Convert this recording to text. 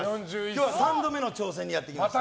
今日は３度目の挑戦に参りました。